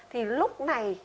thì lúc này